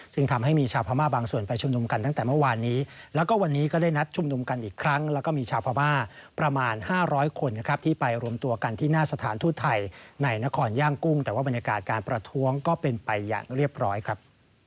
ทำให้มีชาวพม่าบางส่วนไปชุมนุมกันตั้งแต่เมื่อวานนี้แล้วก็วันนี้ก็ได้นัดชุมนุมกันอีกครั้งแล้วก็มีชาวพม่าประมาณ๕๐๐คนนะครับที่ไปรวมตัวกันที่หน้าสถานทูตไทยในนครย่างกุ้งแต่ว่าบรรยากาศการประท้วงก็เป็นไปอย่างเรียบร้อยครับ